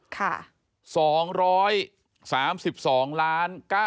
ค่ะ